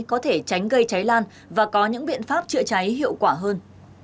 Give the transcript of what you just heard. có thể tránh gây cháy lan và có những biện pháp chữa cháy hiệu quả hơn